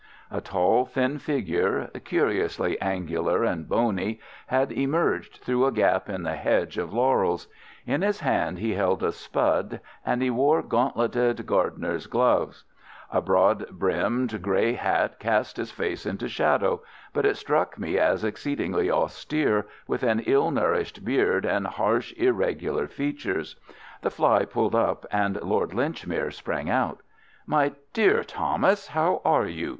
A tall, thin figure, curiously angular and bony, had emerged through a gap in the hedge of laurels. In his hand he held a spud, and he wore gauntleted gardener's gloves. A broad brimmed, grey hat cast his face into shadow, but it struck me as exceedingly austere, with an ill nourished beard and harsh, irregular features. The fly pulled up and Lord Linchmere sprang out. "My dear Thomas, how are you?"